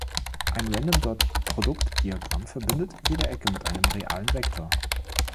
Ein Random-Dot-Produktdiagramm verbindet jede Ecke mit einem realen Vektor.